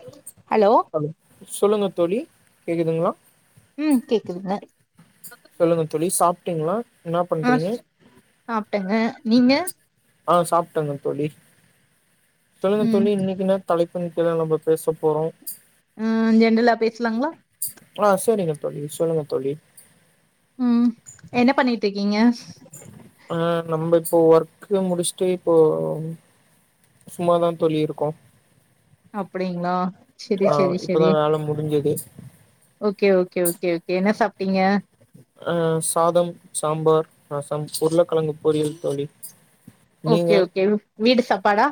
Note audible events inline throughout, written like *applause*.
எலி ஹலோ சொல்லுங்க தோழி கேக்குதுங்களா ம் கேக்குதுங்க சொல்லுங்க தோழி சாப்ட்டீங்களா என்ன ஆ பண்றீங்க சாப்ட்டங்க நீங்க ஆ சாப்ட்டேங்க தோழி சொல்லுங்க ம் தோழி இன்னைக்குன்னா தலைப்புன் கீழ நம்ம பேச போறோ ம் ஜெண்ட்ரலா பேச்லாங்களா ஆ சரிங்க தோழி சொல்லுங்க தோழி ம் என்ன பண்ணிட்டு இருக்கீங்க ஆ நம்ம இப்போ ஒர்க்கு முடிச்சுட்டு இப்போ சும்மாதா தோழி இருக்கோ அப்டிங்களா செரி ஆ செரி இப்பதா செரி வேல முடிஞ்சது ஓகே ஓகே ஓகே ஓகே என்ன சாப் டீங்க அ சாதம் சாம்பார் ரசம் உருளக்கெழங்கு பொரியல் பண்ணி ஓகே ஓகே வீடு சாப்பாடா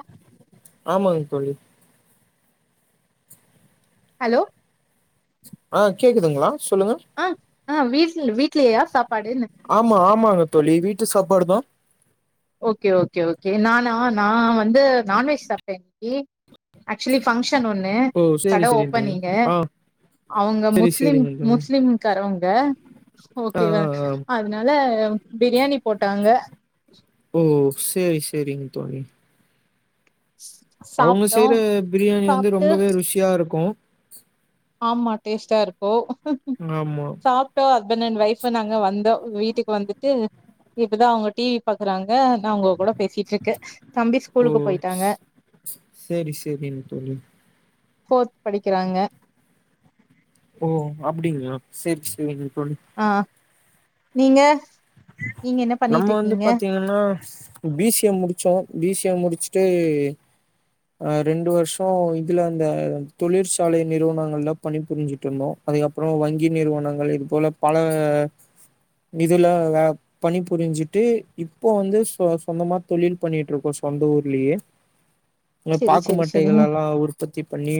ஆமாங்க தோழி ஹலோ ஆ கேக்குதுங்களா சொல்லுங்க ஆ ஆ வீ ஆமா ஆமாங்க தோழி வீட்டு சாப் பாடுதா ஓகே ஓகே ஓகே நானா நா வந்து நான்வெஜ் சாப்டே ஏ ஆக்சுவலி பங்க்ஷன் ங்க்ஷன் ஒண்ணு ஓ கட சேரி சேரிங்க தோழி ஓப்பனிங்கு ஆ அவங்க சேரி முஸ்லிம் சேரிங்க தோழி முஸ்லிம் காரவங் ஏ ஆ ஓகேவா ஆ ஆ அதனால பிரியாணி போட்டாங்க ம் செரி செரிங்க தோழி அவுங்க சாப்ட்டோ செய்ற பிரியாணி வந்து சாப்ட்டு ரொம்பவே ருசியா இருக்கு ஆமா டேஸ்டா இருக்கோ ஆமா சாப்ட்டோம் ஹஸ்பனன் ஒய்ப்னு நாங்க வந்தா வீட்டுக்கு வந்துட்டு இப்பதா அவுங்க டிவி பாக்குறாங்க நா உங்க கூட பேசிட் இருக்கே தம்பி ஸ்கூலுக்கு ம் ஸ் போயிட்டாங்க ஸ் செரி செரின் தொழி ஃபோர்த் படிக்கிறாங்க ஓ அப்டிங்ளா செரி செரிங்க தோழி ஆ நீங்க நீங்க என்ன நம்ம பண்ணிட்டு வந்து இருக்கீங்க பாத்தீங்கன்னா பி சி ஏ முடிச்சோ பி சி ஏ முடிச்சிட்டு அ ரெண்டு வருஷோ இதுல அந்த தொழிற்சாலை நிறுவனங்கள்ல பணி புரிஞ்சுட்டு இருந்தோ அதுக்கப்றோ வங்கி நிறுவனங்கள் இது போல பல இதுல வேல பணி புரிஞ்சுட்டு இப்போ வந்து சொ சொந்தமா தொழில் பண்ணிட்டு இருக்கோ சொந்த ஊர்லேயே இங்க செரி பாக்கு செரி செரிங்க மட்டைகள் எல்லா உற்பத்தி பண்ணி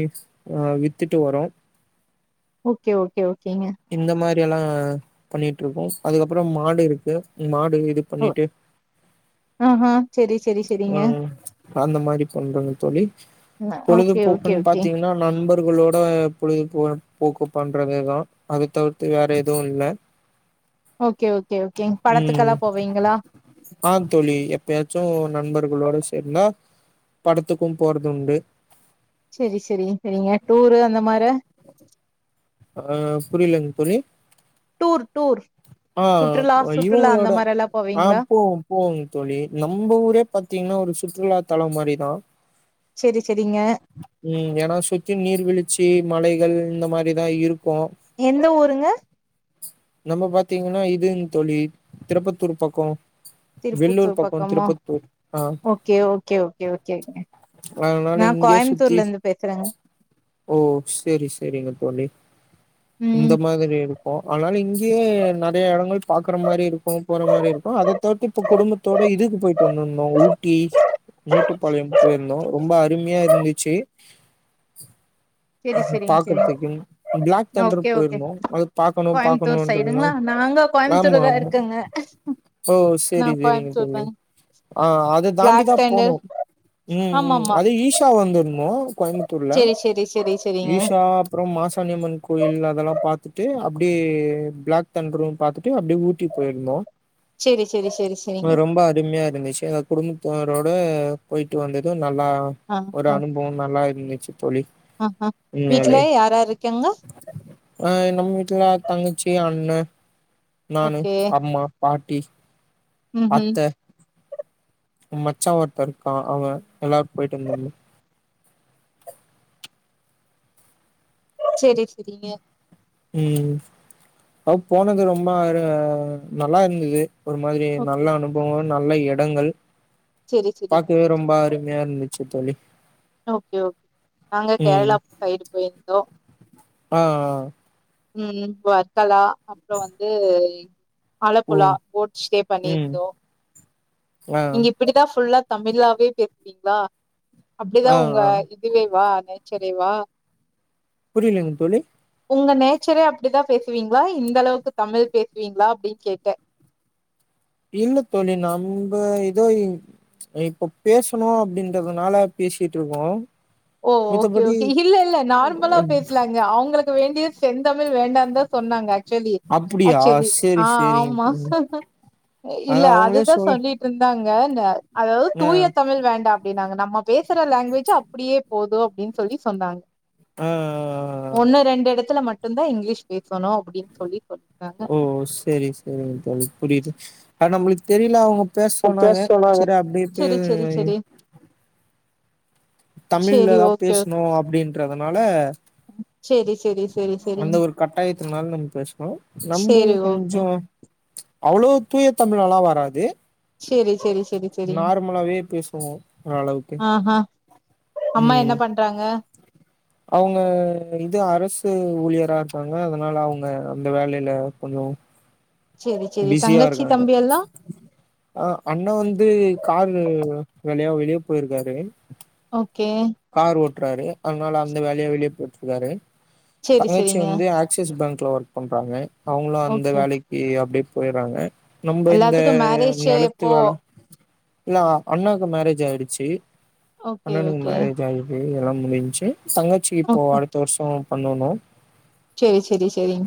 ஆ வித்துட்டு வரோ ஓகே ஓகே ஓ இந்த மாரி எல்லா பண்ணிட்டு இருக்கோ அதுக்கப்பறம் மாடு இருக்கு மா டு இது ஓ பண்ணிட்டு ஆஹா செரி செரி ஆ செரிங்க அந்த மாரி பண்றங்க தோழி அ ஓகே ஓகே பொழுதுபோக்குன்னு ஓகே பாத்தீங்கன்னா நண்ப நண்பர்களோட பொழுது போ போக்கு பண்றதே தா அது தவிர்த்து வேற எது இல்ல ஓகே ஓகே ஓகேங் ம் படத்துக்கெல்லா போவீங்களா ஆம் தோழி எப்பயாச்சு நண்பர்களோட சே ந்தா படத்துக்கும் போறதுண்டு செரி செரி செரிங்க டூரு அந்த மார ஆஹ் புரியலங் தோழி டூர் டூர் ஆ சுற்றுலா சுற்றுலா அந்த இவங்களோட மாரில்லா ஆ போவீங்களா போவோ போவோங் தோழி நம்ம ஊரே பாத்தீங்ன்னா ஒரு சுற்றுலா தளம் மாரி தா செரி செரிங்க ம் ஏனா சுத்தி நீர் விழுச்சி மலைகள் இந்த மாரி தா இருக்கு எந்த ஊருங்க நம்ம பாத் தீங்ன்னா இதுங் தோழி திருப்பத்தூர் பக்கோ வெள்ளூர் திருப்பத்தூர் பக்கோக பக்கமா திருப்பத்தூர் ஆ ஓகே ஓகே ஓகே ஓகேங்க அதனால நா இங்கே சுத்தி கோயம்புத்தூர்ல இருந்து பேசுறேங்க ஓ செரி செரிங்க தோழி ம் இந்த மாதிரி இருக்கு அதனால இங்கயே நெறையா எடங்கள் பாக்குற மாரி இருக்கு போற மாரி இருக்கு அத தவித்து இப்ப குடும்பத்தோட இதுக்கு போயிட்டு வந்திருந்தோ ஊட்டி மேட்டுப்பாளையம் போய்ருந்தோ ரொம்ப அருமையா இருந்து சேர் செரி செரிங்க செரிங்க பாக்கறதுக்கு பிளாக் ஓகே தண்டர் ஓகே போயிருந்தோ அது பாக்கணு பாக்கணுன் கோயம்புத்தூர் இருந்தோ சைடுங்களா நாங்க கோயம்புத்தூர் ஆமா தா ஆமா இருக்கங்க ஓ நா செரி செரிங்க கோயம்புத்தூர் தோழி தாங்க ஆ அத பிளாக் தாண்டிதா தண்டர் போனோ உம் ஆமா உம் ஆமா அது ஈஷா வந்திருந்தோ கோய்முத்தூர்ல செரி செரி செரி செரிங்க ஈஷா அப்புறம் மாசாணி அம்மன் கோயில் அதெல்லா பாத்துட்டு அப்டியே பிளாக் தண்ரும் பாத்துட்டு அப்படியே ஊட்டி போயிருந்தோ செரி செரி செரி செரிங்க ரொம்ப அருமையா இருந்துச்சு எங்க குடும்பத்தா ரோட போய்ட்டு வந்ததும் நல்லா ஆ ஒரு ஆ அனுபவம் நல்லா இருந்துச்சு தோழி ஆ ஆ வீட்ல உண்மையாவே யார் யார் இருக்காங்க ஆஹ் நம்ம வீட்டுல தங்கச்சி அண் ணே நானு ஓகே அம்மா பாட் டி ம் ம் அத்தே மச்சா ஒருத்த இருக்கா அவே எல்லார் போயிட்டு வந்திருந்தோ செரி செரிங்க ம் அ போனது ரொம்ப ஒரு நல்லா இருந்தது ஒரு மாதிரி ஓகே நல்ல அனுபவோ நல்ல எடங்கள் செரி செரிங்க பாக்குவே ரொம்ப அரும்யா இருந்துச் சி தோழி ஓகே ஓகே நாங்க கேரளா சைடு போயிருந்தோ அ அ ம் ம் வர்த்தலா அப்றோ வந்து ஓ அலப்புலா போட் ஸ்டே ம் பண்ணிருந்தோ ஆ இங் இப்பிடிதா ஃபுல்லா தமிழாவே பேசுவீங்ளா அப்டிதா ஆ உங்க ஆ இதுவே வா நேச்சரேவா புரிலிங் தோழி உங்க நேச்சரே அப்டிதா பேசுவீங்ளா இந்த அளவுக்கு தமிழ் பேசுவீங்ளா அப்டின் கேட்ட இல்ல தோழி நம்ப இதோ இப்ப பேசணு அப்டின்றதுனால பேசிட்ருக்கோ ஓ ஓகே மித்தபடி ஓகே இல்ல இல்ல நார்மலா பேஸ்லாங்க அவுங்களுக்கு வேண்டியத் செந்தமிழ் வேண்டாந்தா சொன்னாங்க ஆக்சுவலி அப்டியா ஆக்சுவலி சேரி ஆ சேரிங்க ஆமா தோழி இல்ல அதா அவங்களே அதுதா சொல் சொல்லிட்ருந்தாங் க ந அதாவ்து ஆ தூய தமிழ் வேண்டா ப்படி நாங்க நம்ம பேசுற லாங்வேஜ ப்டியே போது அப்டின் சொல்லி சொன்னாங்க ஆ ஒன்னு ரெண்டு எடத்துல மட் லுந்தா இங்கிலீஷ் பேசணு அப்டின் சொல்லி சொ ஒஒ செரி சரி தோழி புரியுது அ நம்புளுக் தெரில அவுங்கோ பேஸ் இப்ப பேச சொன்னாங்க செரி அப்டின்ட்டு செரி செரி செரி செரி தமிழ்லதா ஓகே பேஸ்ணு அப்டின்றதுனால சேரி அந்த ஒரு கட்டாயத்துனால நம்ப் பேசுணோ நம்ப செரி இன்னு ஓகே கொஞ்சோ அவுளோ தூய தமிழாலா வராது சேரி சேரி சேரி சேரி நார்மலாவே பேசுவோ ஓரளவுக்கு ஆ ஹா அம்மா என்ன ம் பண்றாங்க அவுங்க இது அரசு ஊழியரா இருக்காங்க‌ அதனால அவுங்க அந்த வேலல கொஞ்சோ செரி செரி பிஸியா தங்கச்சி இருக்காங்க தம்பி எல்லா ஆ அண்ணா வந்து காலு வேலயா வெளிய போயிர்காரு ஓகே கார் ஓட்றாரு அத்னால அந்த வேலயா வெளிய போய்ட்ருக்காரு செரி தங்கச்சி செரிங்க வந்து ஆக்சிஸ் பேங்க்ல ஒர்க் பண்றாங்கே அவ்ங்ளு அந்த ஓகே வேலக்கி அப்டே போய்றாங்க நம்ப இந்த எல்லாத்துக்கு மேரேஜ் நெலத்து எப்போ வேல இல்ல அ அண்ணாக்கு மேரேஜ் ஆயிடுச்சி ஓக்கே ஓகே எனக்கு ட்ரெய்னிங் எல்லா முடிஞ்ச்சி சங்கச்சி இப்போ அடுத்த வர்ஷோ பண்ணுனு சேரி செரி செரி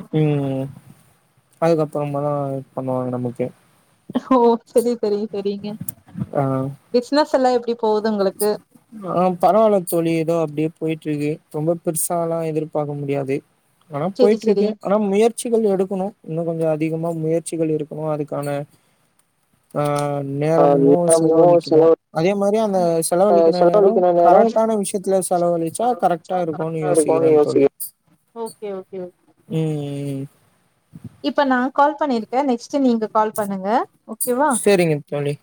அதுக்கப்பறமாதா இது பண்ணுவாங்க நமக்கு ஹோ செரி தெரி தெரிங்க ஆ பிஸ்னஸ் எல்லா எப் ஆ பரவால்லங் தோழி எதோ அப்டே போய்ட்ருக்கு ரொம்ப பெர்சாலா எதுர்பாக்க முடியாது ஆனா செரி செரி போயிட்ருக்கு ஆனா முயற்சி கொஞ்சோ எடுக்குணு இன்னு கொஞ்சோ அதி திகமா முயற்சிகள் இருக்குணு அதுக்கான ஆ நேரமு செலவழிக்கணு அதே மாரி ஆ ம் செலவழிக்கிற நேரோ ஓக் கரட்டான விஷ்யத்துல செலவழிச்சா கரக்ட்டா இருக்குனு யோசிக்கிற தோழி ஓகே ஓகே ஓகே ம் ம் அ கால் பண்ணிருக்க நெக்ஸ்ட் செரி நீங்க கால் பண்ணுங்க ஓகேவா சேரிங்க தோழி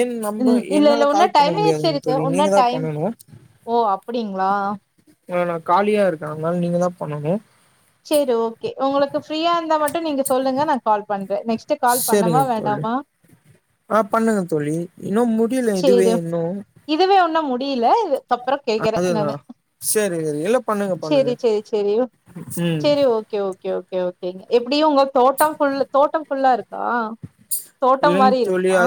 ஏன் நம்ப ம் இல்ல என்னால இல்ல உன்னட் கால் டை பண்ண மினிட்ஸ் முடியாதுங்க இருக்கு தோழி ஒன்னா நீங்க தா டைம் பண்ணணு ஓ அப்புடிங்ளா அ நா காலியா இருக்காங்க அத்னால நீங்க தா பண்ணனு சேரி ஓகே உங்களுக்கு ஃப்ரீயா இருந்தா மட்டு நீங்க சொல்லுங்க நா கால் பண் செரிங்க தோழி ஆ பண்ணுங்க தோழி இன்னு மு *inaudible* யல இதுவே இன்னு ஒன்னு முடில இத அப்றம் கே்கறே அதுதா நானு செரி இல்ல பண்ணுங்க பண்ணுங்க சேரி சேரி சேரி ம் செரி ஓகே ஓகே ஓகே ஓகே ஓகேங்க எப்டியு உங் தோட்டம் ஃபுல் தோட்டம் ஃபுல்லாருக்கா தோட்டம் மாரி இருக்குமா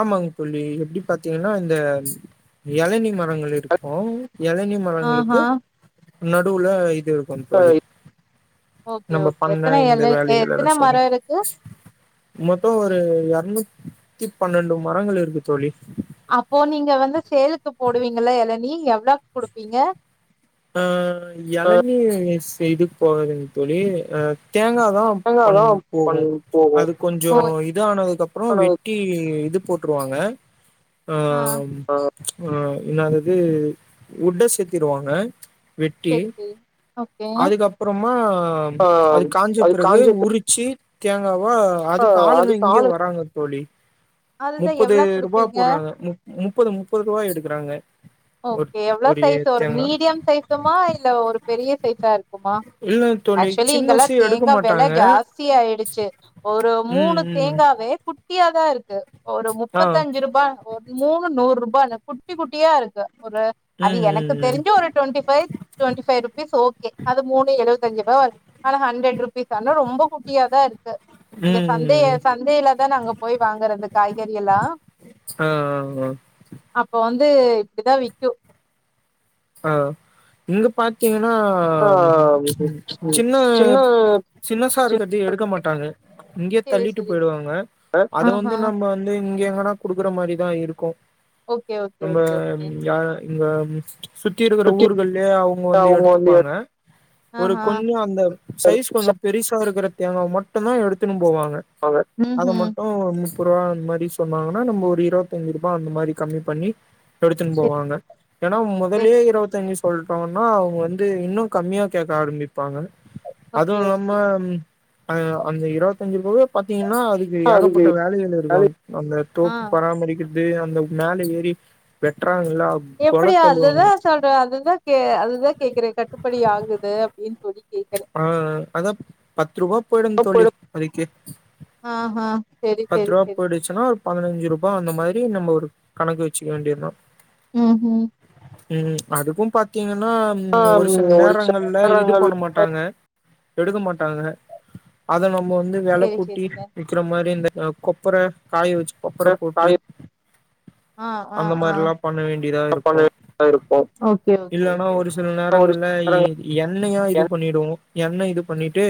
ஆமாங் தோழி எப்டி பாத்தீங்கன்னா இந்த ஏளனி ம மரங்கள் இருக்கு எளநி மரங்களுக்கு ஆஹா நடுல *inaudible* *unintelligible* ருக்கு தோழி ஓகே நம்ப ஓகே பண்ண எத்தன இந்த எல வேலைகளெல்லா எத்தன சரி மரோ இருக்கு ஒரு எரநூத்தி பன்னெண்டு மரங்கள் இருக்கு தோழி அப்போ நீங்க வந்து சேலுக்கு போடுவீங்கள எளனி எவ்ளக் குடுப்பீங்க ஆ எளனி சே இதுக்கு போகாதுங்க தோழி அ தேங்கா தா நாங்க பண் அதா போகு பண் போவோ அது கொஞ்சோ இதானதுக்கப்பறோ வெட்டி இது போட்ருவாங்க ஆ ஆ என்னாதிது உட்டஸ் சேத்திருவாங்க வெட்டி செரி செரி ஓகே அதுக்கப்பறமா அது காஞ்ச பிறகு உருச்சி தேங்கா அதுக்கு ஆளுங்க இங்கேயே வராங்க தோழி அதுதா முப்பது எவ்ளோ ரூபா குடுப்பீங்க போடுறாங்க முப்பது முப்பது ரூபா எடுக்குறாங்க ஒரு ஓகே எவ்ளோ சைஸ் ஒரு தேங்கா மீடியம் சைசுமா இல்ல ஒரு பெரிய சைஸ் இதா இருக்குமா இல்ல தோழி ஆக்சுவலி இங்கெல்லா சின்னசு எடுக்க தேங்கா வெல மாட்டாங்க ஜாஸ்தி ஆயிடுச்சி ஒரு ம் மூனூ ம் தேங்காவே குட் குட்டியாதா இருக்கு ஒரு ஆ முப்பத்தஞ்சுருபா ஒரு மூனு நூர் போ அந்த குட்டி குட்டியா இருக்கு ஒரு அது ம் எனக்கு ம் தெரிஞ்ச ஒரு twenty five twenty five rupees okay அது மூனு எழுவத்தஞ்சருவா ஆனா ஹண்ட்ரட் ருப்பீஸ் ஆனா ரொம்ப குட்டியா தா இருக்கு இங்க சந்தைய ம் ம் சந்தையில தா நாங்க வாங்கறது காய்கறி எல்லா ஆ ஆ அப்போ வந் து இதா விக்கு அ இங்க பாத்தீங்க ஆ, சின்ன சின்னசா சின்ன இருக்கத்தி எடுக்க மாட்டாங்க இங்யே சரி தள்ளிட்டு சரி போயிடுவாங்க அத வந்து ஆஹா நம்ம வந்து இங்க குடுக்குற மாரிதா இருக்கு ஓகே ஓகே நம்ப ஓகே ஓகே யாரு இங்க சுத்தி இருக்குற ஊர்கள்லயே அவங்க வந்து எடுத்துப்பாங்க ஒரு ஆஹா கொஞ்சோ அந்த சைஸ் கொஞ்சோ பெருசா இருக்கிற தேங்கவ மட்டுந்தா எடுத்துன்னனு போவாங்க வாங்க வ அத ம்ஹும் மட்டு மிஸ் ப்ரோ அந் மாதி சொன்னாங்கன்னா நம் ஒரு இருவத்தஞ்சு ரூபா அந்த மாரி கம்மி பண்ணி எடுத்துனு செரி போவாங்க ஏனா மோ செரி லோல்லி இருவதாஞ்சு சோ சொல்ட்டோன்னா அவங்க வந்து இன்னு கம்மியா கேக்க ஆரம்பிப் ப்பாங்க ஓகே ஓகே அதுவில்லாம அ அந்த இருவத்தஞ்சு ரூப பாத்தீங்கன்னா னா அதுக்கு ஏகப்பட்ட வேலைகள் இருக்கு வேலை அந்த ஆ தோப்பு பராமரிக்கிற து அந்த மேல ஏறி வெட்ட ட்டாங்களா எப்டி குலைத்தள்ளுவாங்க அதுதா சொல்ற அதுதா கே அதுதா கேக்குற கட்டுப்படி ஆகுது அப்படின்னு சொல்லி கேக்குறே ஆ அதா பத்து ரூபா போயிடுங் தோழி புறப்படும் இப்போதிக்கு ஆஹா செரி பத்து செரி ரூவா செரி போயிடுச்சுன்னா பதினஞ்சு ரூபா அந்த மாரி கி நம்ம ஒரு கணக்கு வச்சுக்க வேண்டியதா உம் ஹம் உம் அதுக்கும் பாத்தீங்க ன ஆ ஒரு சில சில நேரங்களல இது நேரங்கள் பண்ண மாட்டாங்க எடுகமாட் *unintelligible* அத நம்போ வந்து வெலக் செரி கூட்டி செரி விக்குற மாரி இந்த அ கோப்பர காயவெச்சு கோப்புர சார் போட்டு காய ஆ ஆ அந்த ஆ மாரில்லா பண்ண வேண்டியதா பண்ண இருக்கு இருப்போ ஓகே ஓகே இல்லைன்னா ஓகே ஒரு சில ஒரு நேரங்கள்ல சில எ நேரங்கள் எண்ணெயா எண்ணெய் உ என்ன இது பண்ணிட்டு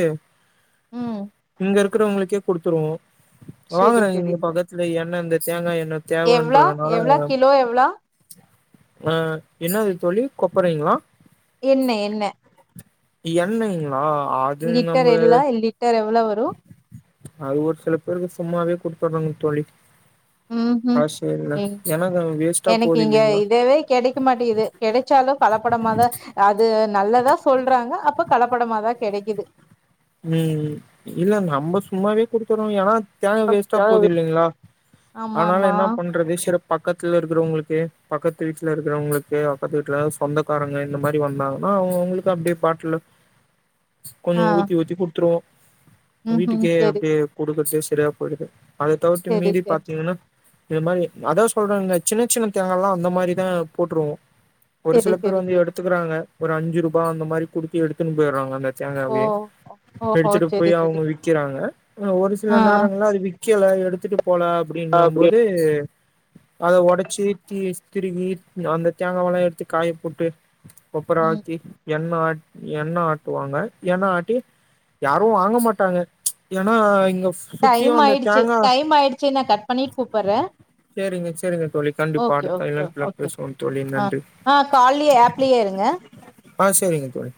ம் இங்க இருக்கிறவங்களுக்கே குடுத்துருவோ வாங்குறாங்க இங்க பக்கத்துல என்னந்த தேங்காய் எண்ணெய் எவ்ளோ தேவன்றதுனால எவ்ளோ கிலோ எவ்ளோ ஆ என்னாது தோழி கொப்பறீங்ளா என்ன என்ன என்னைங் ஆ அது நம்ப லிட்டர் எல்லா லிட்டர் எவ்ளோ வரு அது ஒரு சில பேருக்கு சும்மாவே குடுத் சொல்லுங் தோழி ம் ஹூ அது சரிண்ண ம் ஏன்னா அது வேஸ்ட்டா எனக்கு போது இங்க இல்லைங்களா இதவே கெடைக்க மாட்டேகிது கெடச்சாலு கலப்படமாதா அது நல்ல தா சொல்றாங்க அப்ப கலப்படமாதா கெடைக்கிது ம் இல்ல நம்ப சும்மாவே குடுக்குறோ ஏனா தெனோ வேஸ்ட்டா போது இல்லைங்ளா ஆமா ஆனால ஆமா என்ன பண்றது சிறப் பக்கத்துல இருக்குறவங்களுக்கு பக்கத்து வீட்ல இருக்குறவங்களுக்கு பக்கத்து வீட்ல சொந்தக்காரங்க இந்த மாரி வந்தாங்கனா அவுங்கவுங்களுக்கு அப்டியே பாட்ல ஆ கொஞ்ச ஊத் ஊத்தி குட்த்துருவோ ம் ம் வீட்டுக்கே செரி அப்டியே குடுக்கசேஸ் செரியா போயிடுது அத தவுத்து செரி மீறி செரி பாத்தீங்னா இது மாரி அதா சொல்றே இல்ல சின்ன சின்ன தேங்கா எல்லா அந்த மாரிதா போட்ருவோ ஒரு செரி சில பேர் செரி வந்து செரி எடுத்துக்குறாங்க ஒரு அஞ்சு ரூபா அந்த மாரி குடுத்து எடுத்துன் போய்றாங்க அந்த ஓ தேங்காவயே ஓஹோ எடுத்துட்டு செரி போய் செரி அவுங்க விக்கிறாங்க ஒரு ஆ சில நேரங்கள்ள அது விக்கில எடுத்துட்டு போல அப்டிங்க அப்டியே. போது தே அத ஒடச்சு தீ திருவி அந்த தேங்காவல்லா எடுத்து காய போட்டு ம் *unintelligible* என்ன ஆட் எண்ண ஆட்டுவாங்க எண்ண ஆட்டி யாரும் வாங்க மாட்டாங்க ஏன்னா இங்க சுத்தியு டைம் அந்த ஆயிடுச்சு தேங்கா டைம் ஆயிடுச்சு நா கட் பண்ணிட் கூப்புறே சேரிங்க சேரிங்க தோழி கண்டிப்பா ஓகே அடுத்த ஓகே இணைப்புல ஓகே ஓகே பேசுவோம் தோழி ஆ நன்றி ஆ கால்லயே ஆப்லயே இருங்க ஆ சரிங்க தோழி